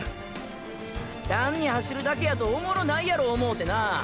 単に走るだけやとオモロないやろ思うてな。